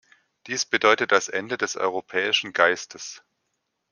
Dies bedeutet das Ende des europäischen Geistes.